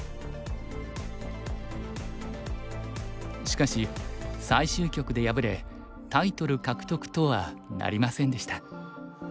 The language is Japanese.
しかし最終局で敗れタイトル獲得とはなりませんでした。